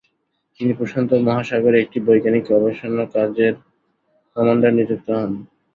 তিনি প্রশান্ত মহাসাগরে একটি বৈজ্ঞানিক গবেষণাকাজের কমান্ডার নিযুক্ত হন।